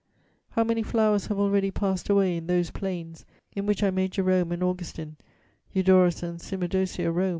How many flowers have already passed away in those plains in which I made Jerome and Augustine, Eudorus and Cymodocœa roam!